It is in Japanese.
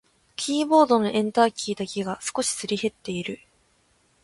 キーボードのエンターキーだけが少しすり減っている。